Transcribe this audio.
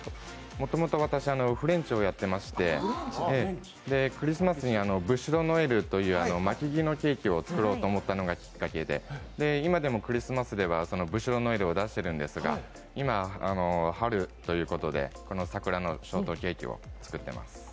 もともと私、フレンチをやってまして、クリスマスにブッシュドノエルというまき木のケーキを作ろうと思ったのがきっかけで今でもクリスマスではブッシュドノエルを出しているんですが今、春ということで、さくらのショートケーキを作ってます。